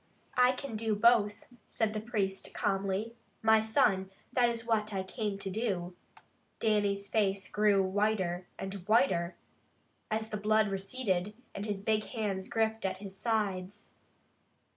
"I can do both," said the priest calmly. "My son, that is what I came to do." Dannie's face grew whiter and whiter, as the blood receded, and his big hands gripped at his sides.